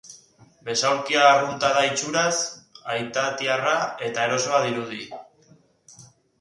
Besaulkia arrunta da itxuraz, aitatiarra eta erosoa dirudi.